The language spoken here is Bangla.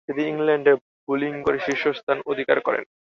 তিনি ইংল্যান্ডের বোলিং গড়ে শীর্ষস্থান অধিকার করেন।